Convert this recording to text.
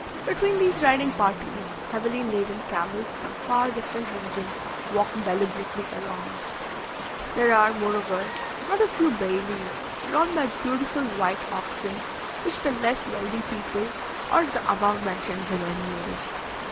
Between these riding parties, heavily laden camels from far distant regions walk deliberately along. There are, moreover, not a few bailis, drawn by beautiful white oxen, which the less wealthy people or the above mentioned women use.